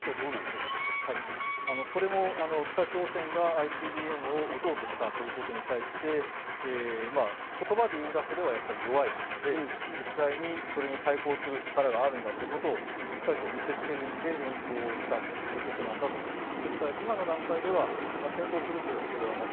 これも北朝鮮がＩＣＢＭを撃とうとしたということに対して、言葉で言うだけでは弱いので、実際にそれに対抗する力があるんだということをしっかり見せつける意味で延長したということだと思います。